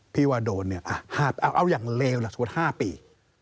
ที่ว่าโดนเนี่ยเอาอย่างเลวล่ะสมมุติ๕ปี